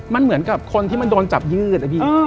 มันเหมือนกับคนที่มันโดนจับยืดนะพี่